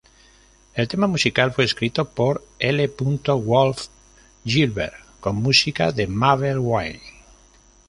El tema musical fue escrito por L. Wolfe Gilbert, con música de Mabel Wayne.